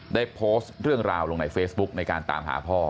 ได้โพสต์เรื่องราวลงในเฟซบุ๊กในการตามหาพ่อ